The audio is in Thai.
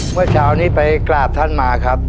เมื่อเช้านี้ไปกราบท่านมาครับ